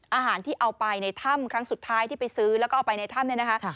อาหารที่เอาไปในถ้ำครั้งสุดท้ายที่ไปซื้อแล้วก็เอาไปในถ้ำเนี่ยนะคะ